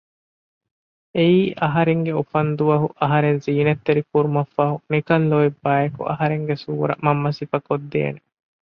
އެއީ އަހަރެންގެ އުފަންދުވަހު އަހަރެން ޒީނަތްތެރި ކުރުމަށްފަހު ނިކަން ލޯތްބާއެކު އަހަރެންގެ ސޫރަ މަންމަ ސިފަކޮށްދޭނެ